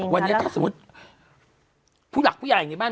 วันนี้ถ้าสมมุติผู้หลักผู้ใหญ่ในบ้าน